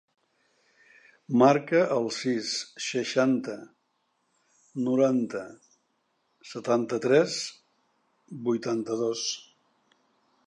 Marca el sis, seixanta, noranta, setanta-tres, vuitanta-dos.